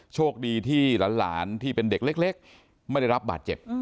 โชคดีที่หลานที่เป็นเด็กเล็กไม่ได้รับบาดเจ็บ